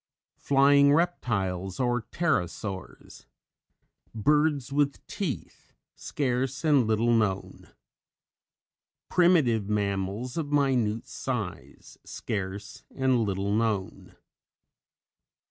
MOSASAURS } FLYING REPTILES OR PTEROSAURS. BIRDS WITH TEETH (scarce and little known). PRIMITIVE MAMMALS of minute size (scarce and little known).